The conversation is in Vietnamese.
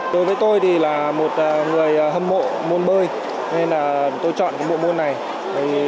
đối với tôi thì là một người hâm mộ môn bơi nên là tôi chọn bộ môn này